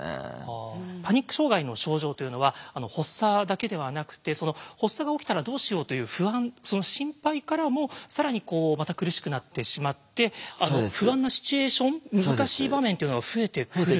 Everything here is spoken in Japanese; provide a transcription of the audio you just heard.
パニック障害の症状というのは発作だけではなくて「発作が起きたらどうしよう」という不安その心配からも更にまた苦しくなってしまって不安なシチュエーション難しい場面というのが増えてくる。